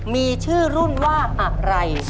มีชื่อรุ่นว่าอะไร